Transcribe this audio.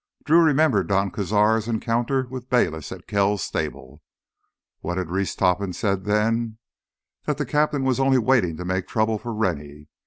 Drew remembered Don Cazar's encounter with Bayliss at Kells' stable. What had Reese Topham said then? That the captain was only waiting to make trouble for Rennie.